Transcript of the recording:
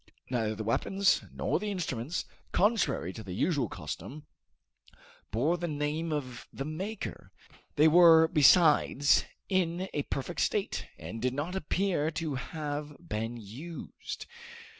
Neither the weapons nor the instruments, contrary to the usual custom, bore the name of the maker; they were, besides, in a perfect state, and did not appear to have been used.